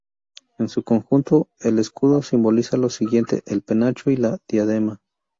En su conjunto el escudo simboliza lo siguiente: el penacho y la diadema.